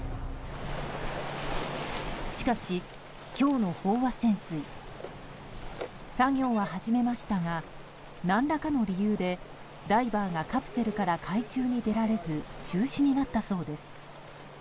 しかし今日の飽和潜水作業は始めましたが何らかの理由でダイバーがカプセルから海中に出られず中止になったそうです。